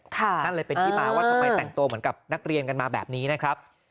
นั่นเลยเป็นที่มาว่าทำไมแต่งตัวเหมือนกับนักเรียนกันมาแบบนี้นะครับ